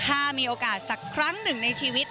ถ้ามีโอกาสสักครั้งหนึ่งในชีวิต